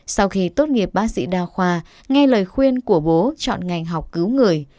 sau khi tốt nghiệp bác sĩ đa khoa nghe lời khuyên của bố chọn ngành học cứu người